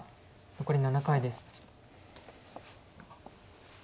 残り７回です。